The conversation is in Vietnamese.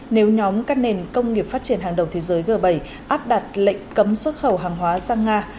nếu nhóm các nền công nghiệp phát triển hàng đầu thế giới g bảy áp đặt lệnh cấm xuất khẩu hàng hóa sang nga